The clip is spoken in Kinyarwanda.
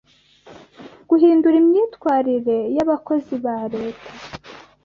guhindura imyitwarire y'abakozi ba leta